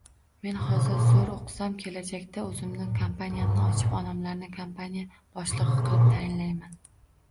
Men hozir zoʻr oʻqisam, kelajakda oʻzimni kompaniyamni ochib, onamlarni kompaniya boshligʻi qilib tayinlayman.